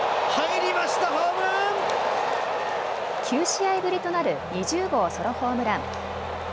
９試合ぶりとなる２０号ソロホームラン。